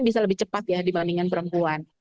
bisa lebih cepat ya dibandingkan perempuan